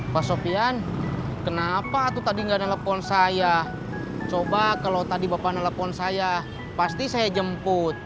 pak sofian kenapa aku tadi nggak nelfon saya coba kalau tadi bapak nelfon saya pasti saya jemput